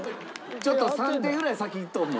ちょっと３手ぐらい先行っとうもんな。